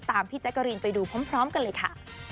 พี่แจ๊กกะรีนไปดูพร้อมกันเลยค่ะ